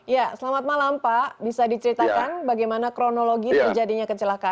ya selamat malam pak bisa diceritakan bagaimana kronologi terjadinya kecelakaan